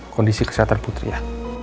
kondisi kesehatan putri ya